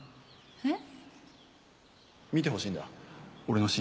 えっ？